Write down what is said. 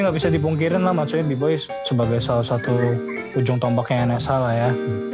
nggak bisa dipungkirin lah maksudnya bboy sebagai salah satu ujung tombak yang nsh lah ya